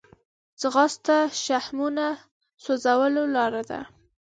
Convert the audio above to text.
ځغاسته د شحمو سوځولو لاره ده